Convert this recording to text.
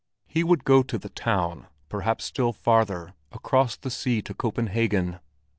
He would go to the town—perhaps still farther, across the sea to Copenhagen.